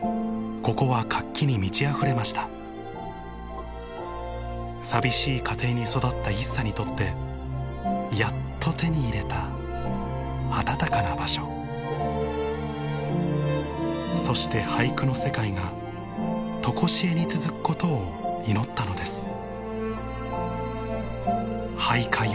ここは活気に満ちあふれました寂しい家庭に育った一茶にとってやっと手に入れた温かな場所そして俳句の世界がとこしえに続くことを祈ったのです